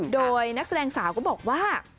โดยนักแสดงสาวก็บอกว่า